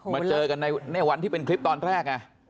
มาเจอกันในวันที่เป็นคลิปตอนแรกไง